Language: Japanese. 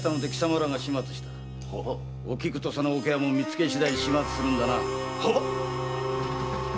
おきくとその桶屋も見つけしだい始末するんだな。